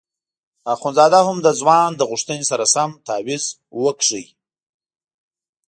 اخندزاده هم د ځوان له غوښتنې سره سم تاویز وکیښ.